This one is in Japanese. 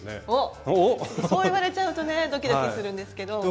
おっそう言われちゃうとねドキドキするんですけど。